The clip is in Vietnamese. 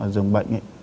ở giường bệnh ấy